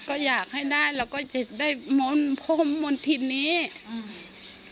ก็อยากให้ได้เราก็จะได้มนต์พรมมนธินนี้อืม